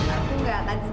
aku gak tansih